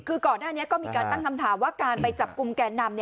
คือก่อนหน้านี้ก็มีการตั้งคำถามว่าการไปจับกลุ่มแก่นำ